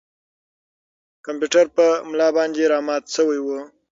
کمپیوټر په ملا باندې را مات شوی و.